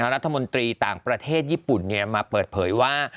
รัฐมนตรีต่างประเทศญี่ปุ่นมาเปิดเผยว่า